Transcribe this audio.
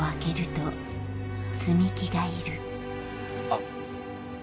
あっ。